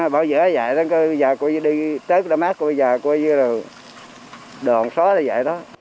bỏ dở vậy đó giờ coi như đi tết đã mát rồi giờ coi như là đòn xóa rồi vậy đó